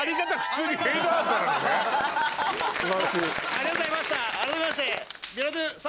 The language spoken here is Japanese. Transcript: ありがとうございました改めまして。